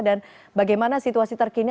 dan bagaimana situasi terkini